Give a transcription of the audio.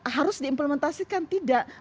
harus diimplementasikan tidak